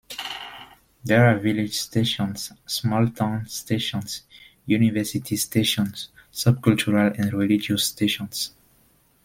There are village stations, small-town stations, university stations, subcultural and religious stations.